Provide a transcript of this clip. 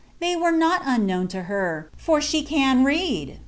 I "ihey were not unknown lo her, for she mn rrail!"'